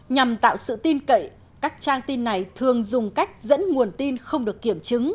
nhằm tạo sự tin cậy các trang tin này thường dùng cách dẫn nguồn tin không được kiểm chứng